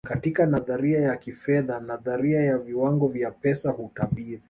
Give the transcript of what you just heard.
katika nadharia ya kifedha nadharia ya viwango vya pesa hutabiri